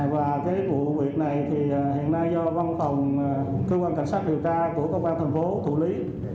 và cái vụ việc này thì hiện nay do văn phòng cơ quan cảnh sát điều tra của công an thành phố thủ lý